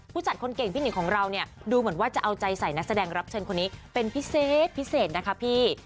จัดคนเก่งพี่หนิงของเราเนี่ยดูเหมือนว่าจะเอาใจใส่นักแสดงรับเชิญคนนี้เป็นพิเศษพิเศษนะคะพี่